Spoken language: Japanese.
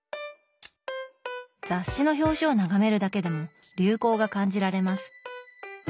雑誌の表紙を眺めるだけでも流行が感じられます。